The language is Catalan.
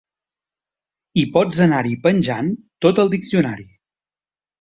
I pots anar-hi penjant tot el diccionari.